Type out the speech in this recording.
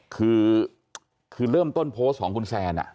คือคือเริ่มต้นโพสต์ของคุณแซน